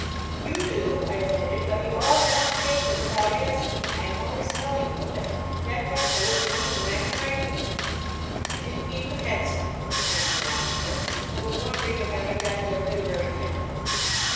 "You do," I admitted; "but you ought not to take them without asking. I am always telling you of it. That pencil is the only one I can write with." "I didn't mean the pencil," explained Veronica. "I was wondering if I had got your literary temper."